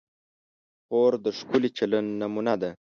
خور د ښکلي چلند نمونه ده.